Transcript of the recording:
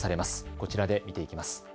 こちらで見ていきます。